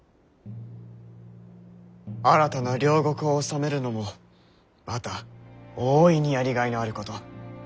新たな領国を治めるのもまた大いにやりがいのあること。